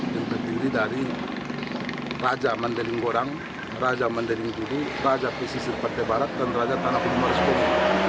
yang terdiri dari raja mandailing godang raja mandailing julu raja pesisir pantai barat dan raja tanah hulu muara sipongi